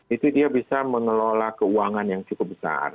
itu dia bisa mengelola keuangan yang cukup besar